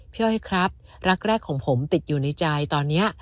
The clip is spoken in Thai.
อ้อยครับรักแรกของผมติดอยู่ในใจตอนนี้